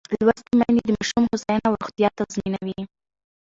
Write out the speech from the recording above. لوستې میندې د ماشوم هوساینه او روغتیا تضمینوي.